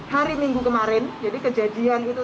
hari minggu kemarin jadi kejadian itu